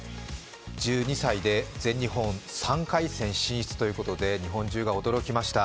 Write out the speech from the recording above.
１２歳で全日本３回戦進出ということで日本中が驚きました。